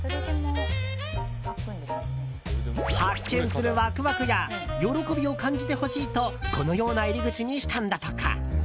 発見するワクワクや喜びを感じてほしいとこのような入り口にしたんだとか。